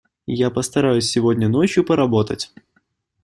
Я постараюсь сегодня ночью поработать.